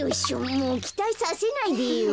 もうきたいさせないでよ。